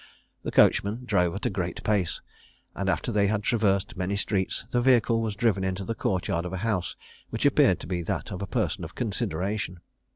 The coachman drove at a great pace; and after they had traversed many streets, the vehicle was driven into the court yard of a house which appeared to be that of a person of consideration.